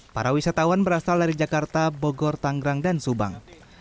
para wisatawan berasal dari jakarta bogor tanggrang dan subang